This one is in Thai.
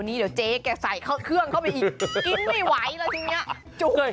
นี่เดี๋ยวเจ๊ใส่เครื่องเข้าไปกินไม่ไหวอะไรอยู่เนี่ย